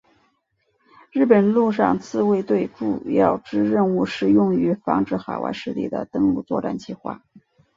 日本陆上自卫队主要之任务是用于防止海外势力的登陆作战计划。